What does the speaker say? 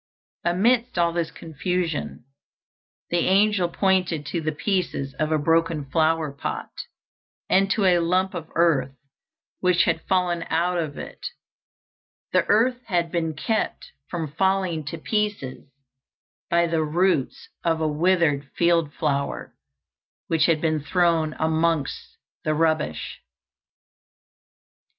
Amidst all this confusion, the angel pointed to the pieces of a broken flower pot, and to a lump of earth which had fallen out of it. The earth had been kept from falling to pieces by the roots of a withered field flower, which had been thrown amongst the rubbish.